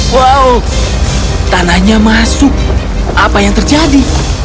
wow tanahnya masuk apa yang terjadi